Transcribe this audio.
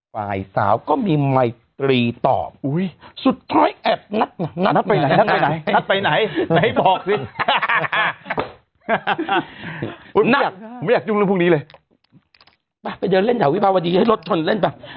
ไปเดินเล่นเถอะวิภาพวัดีให้รถทนเล่นค่ะ